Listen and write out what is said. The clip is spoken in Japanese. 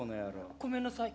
ごめんなさい。